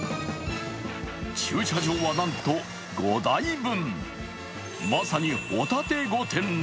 駐車場はなんと５台分。